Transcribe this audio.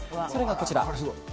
それがこちら。